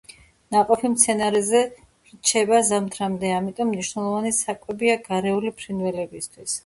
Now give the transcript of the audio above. ნაყოფი მცენარეზე რჩება ზამთრამდე, ამიტომ მნიშვნელოვანი საკვებია გარეული ფრინველებისათვის.